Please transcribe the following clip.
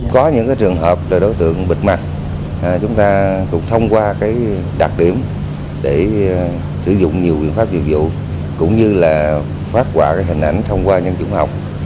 có những trường hợp đối tượng bịt mặt chúng ta cũng thông qua đặc điểm để sử dụng nhiều biện pháp nghiệp vụ cũng như là phát họa hình ảnh thông qua nhân chủng học